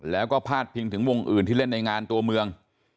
แล้วก็พาดพิงถึงวงอื่นที่เล่นในงานตัวเมือง